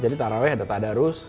jadi taraweh ada tadarus